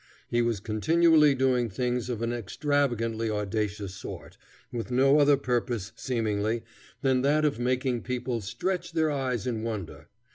He was continually doing things of an extravagantly audacious sort, with no other purpose, seemingly, than that of making people stretch their eyes in wonder.